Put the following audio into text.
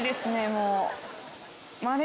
もう。